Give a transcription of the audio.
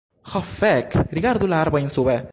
Ho fek! Rigardu la arbojn sube